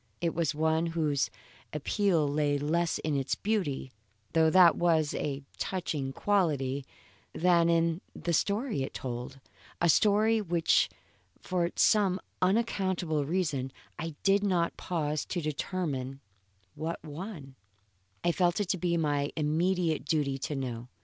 It was one whose appeal lay less in its beauty, though that was of a touching quality, than in the story it told, a story, which for some unaccountable reason I did not pause to determine what one I felt it to be my immediate duty to know.